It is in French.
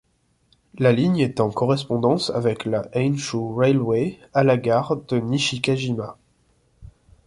La ligne est en correspondance avec la Enshū Railway à la gare de Nishi-kajima.